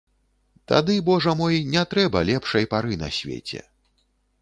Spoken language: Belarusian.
Тады, божа мой, не трэба лепшай пары на свеце.